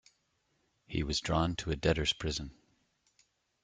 He was drawn to a debtors' prison.